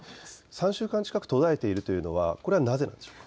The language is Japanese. ３週間近く途絶えているというのはなぜでしょうか。